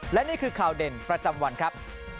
และนี่คือข่าวเด่นประจำวันครับ